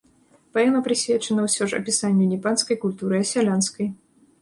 Паэма прысвечана ўсё ж апісанню не панскай культуры, а сялянскай.